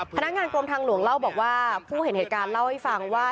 พนักงานกรมทางหลวงเล่าบอกว่าผู้เห็นเหตุการณ์เล่าให้ฟังว่า